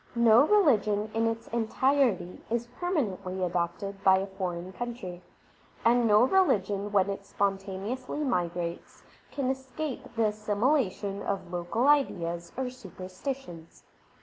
No religion in its entirety is permanently adopted by a foreign country ; and no religion when it spontaneously migrates can escape the assimilation of local ideas or super stitions.